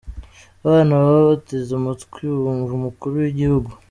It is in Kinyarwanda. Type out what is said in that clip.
Abana baba bateze amatwi bumva umukuru w'igihugu.